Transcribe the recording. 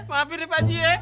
maafin deh pak aji ya